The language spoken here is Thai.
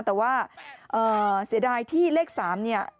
แต่ว่าเสียดายที่เลข๓เนี่ย